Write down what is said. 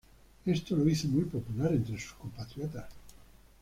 Esto lo hizo muy popular entre sus compatriotas.